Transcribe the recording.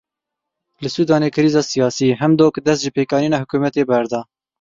Li Sudanê krîza siyasî; Hemdok dest ji pêkanîna hikûmetê berda.